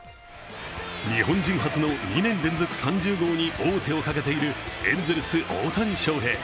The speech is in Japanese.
日本人初の２年連続３０号に王手をかけているエンゼルス・大谷翔平。